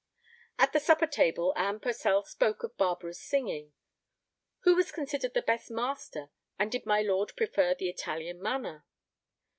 At the supper table Anne Purcell spoke of Barbara's singing. Who was considered the best master, and did my lord prefer the Italian manner?